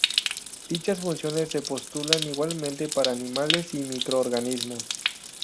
Dichas funciones se postulan igualmente para animales y microorganismos.